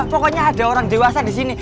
pokoknya ada orang dewasa di sini